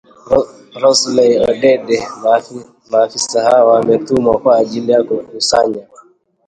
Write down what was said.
Roselyn Odede, maafisa hao wametumwa kwa ajili ya kukusanya